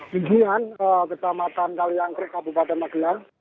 di kisun kisun ketamatan kaliangkri kabupaten magelang